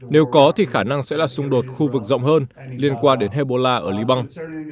nếu có thì khả năng sẽ là xung đột khu vực rộng hơn liên quan đến hebron ở lý băng